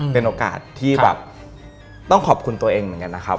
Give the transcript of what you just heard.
เป็นโอกาสที่แบบต้องขอบคุณตัวเองเหมือนกันนะครับ